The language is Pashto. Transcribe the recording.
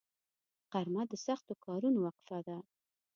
غرمه د سختو کارونو وقفه ده